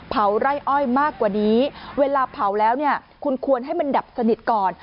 ไร่อ้อยมากกว่านี้เวลาเผาแล้วเนี่ยคุณควรให้มันดับสนิทก่อน